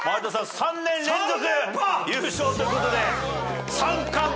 ３年連続優勝ということで。